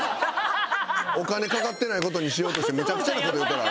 お金かかってない事にしようとしてめちゃくちゃな事言うからあれ。